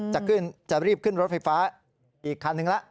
จะรีบขึ้นรถไฟฟ้าอีกครั้งนึงละ